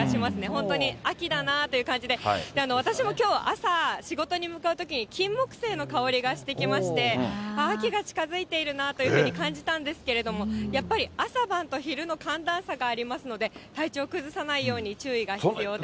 本当に秋だなという感じで、私もきょう、朝仕事に向かうときに、キンモクセイの香りがしてきまして、ああ、秋が近づいているなというふうに感じたんですけれども、やっぱり朝晩と昼の寒暖差がありますので、体調を崩さないように注意が必要です。